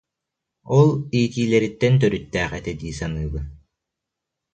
Ол иитиилэриттэн төрүттээх этэ дии саныыбын